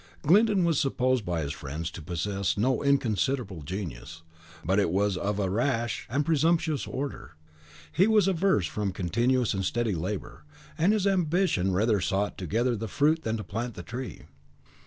Glyndon was supposed by his friends to possess no inconsiderable genius; but it was of a rash and presumptuous order. He was averse from continuous and steady labour, and his ambition rather sought to gather the fruit than to plant the tree.